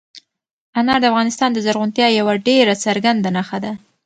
انار د افغانستان د زرغونتیا یوه ډېره څرګنده نښه ده.